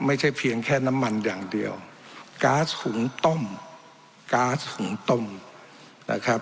ไม่ใช่เพียงแค่น้ำมันอย่างเดียวก๊าซหุงต้มก๊าซหุงต้มนะครับ